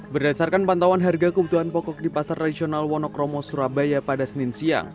berdasarkan pantauan harga kebutuhan pokok di pasar tradisional wonokromo surabaya pada senin siang